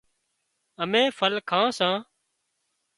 امين ڦل کان سان